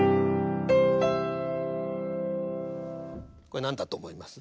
これ何だと思います？